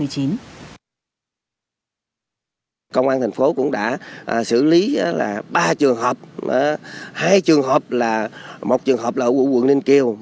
công an tp hcm cũng đã xử lý ba trường hợp hai trường hợp là một trường hợp là ở quận ninh kiều